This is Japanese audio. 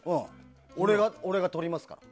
俺が撮りますから。